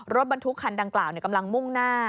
รถบรรทุกคันดังกล่าวกำลังมุ่งหน้า